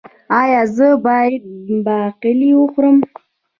ایا زه باید باقلي وخورم؟